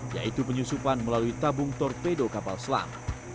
yaitu penyusupan melalui tabung torpedo kapal selam